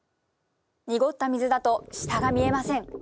濁った水だと下が見えません。